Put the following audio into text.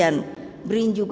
saya ingin memberikan penguasaan